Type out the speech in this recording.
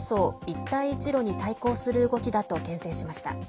一帯一路に対抗する動きだとけん制しました。